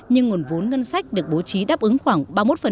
nhưng nguồn vốn ngân sách được bố trí đáp ứng khoảng